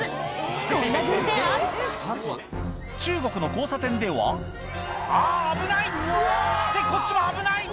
こんな偶然あるんだ中国の交差点ではあぁ危ない！ってこっちも危ない！